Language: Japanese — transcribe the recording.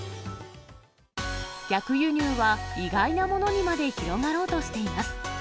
逆輸入は意外なものにまで広がろうとしています。